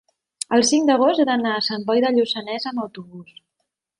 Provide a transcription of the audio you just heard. el cinc d'agost he d'anar a Sant Boi de Lluçanès amb autobús.